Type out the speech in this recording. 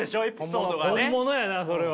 本物やなそれは。